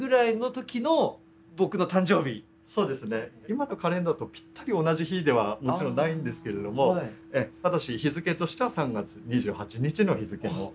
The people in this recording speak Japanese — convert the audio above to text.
今のカレンダーとぴったり同じ日ではもちろんないんですけれどもただし日付としては３月２８日の日付の。